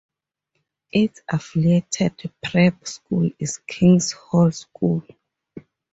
Its affiliated prep school is King's Hall School.